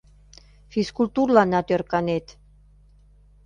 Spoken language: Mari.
Физкультурланат ӧрканет...